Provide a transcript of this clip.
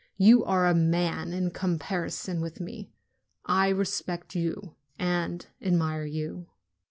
You are a man in comparison with me ! I respect you and admire you!"